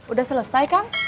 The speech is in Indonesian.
udah selesai kang